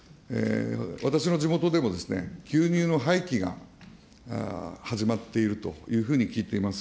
私の地元でも、牛乳の廃棄が始まっているというふうに聞いています。